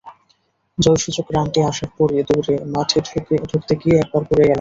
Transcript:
জয়সূচক রানটি আসার পরই দৌড়ে মাঠে ঢুকতে গিয়ে একবার পড়ে গেলেন।